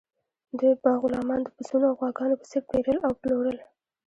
دوی به غلامان د پسونو او غواګانو په څیر پیرل او پلورل.